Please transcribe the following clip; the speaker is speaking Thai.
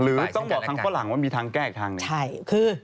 หรือต้องบอกครั้งข้างหลังว่ามีทางแก้อีกทางเนี่ย